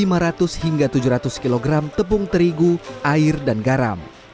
dari lima ratus hingga tujuh ratus kg tepung terigu air dan garam